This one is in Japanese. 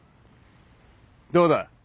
どうだ？